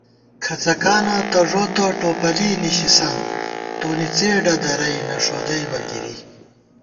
کھڅَکانہ تہ ݫوتہ ، ٹوپلی نِشِسنت ✿ تونی څېڈہ دَرَئی ، نہ ݭودَئیبہ گِری